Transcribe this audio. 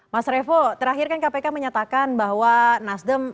mas revo terakhir kan kpk menyatakan bahwa nasdem